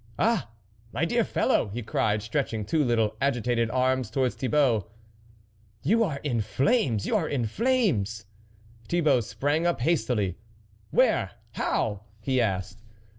" Ah ! my dear fellow !" he cried, stretching two little agitated arms to wards Thibault, " you are in rlames. you are in flames !" Thibault sprang up hastily. " Where ? How ?" he asked.